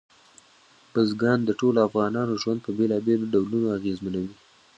بزګان د ټولو افغانانو ژوند په بېلابېلو ډولونو اغېزمنوي.